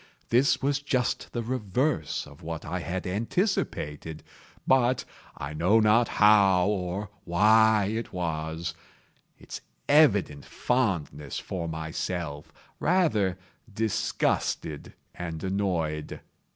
This was just the reverse of what I had anticipated; but—I know not how or why it was—its evident fondness for myself rather disgusted and annoyed.